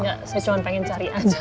enggak saya cuma pengen cari aja